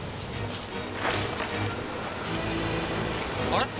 あれ？